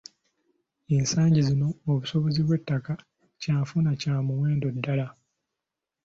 Ensangi zino obusuubuzi bw’ettaka kyanfuna kya muwendo ddala.